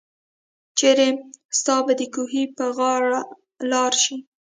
چيري ستاه به دکوهي په غاړه لار شي